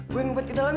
gue ngumpet ke dalam ya